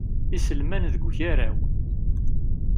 Iselman deg ugaraw.